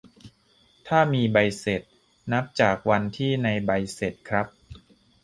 ถ้ามีใบเสร็จ นับจากวันที่ในใบเสร็จครับ